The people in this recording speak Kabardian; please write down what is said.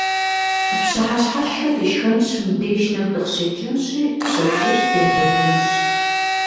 Пщыхьэщхьэшхэ дышхэнщ, мыбдеж нэху дыкъыщекӀынщи, пщэдджыжь дежьэжынщ .